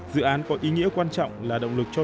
dự án có ý nghĩa quan trọng là động lực cho